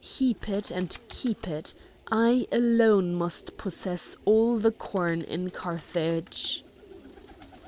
Heap it and keep it! I alone must possess all the corn in Carthage."